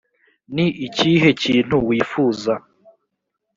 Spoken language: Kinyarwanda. ni ikihe kintu wifuza